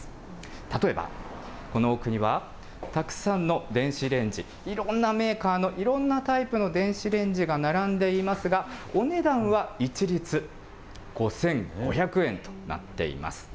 例えば、この奥にはたくさんの電子レンジ、いろんなメーカーのいろんなタイプの電子レンジが並んでいますが、お値段は一律５５００円となっています。